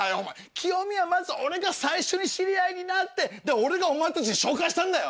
キヨミはまず俺が最初に知り合いになって俺がお前たちに紹介したんだよ！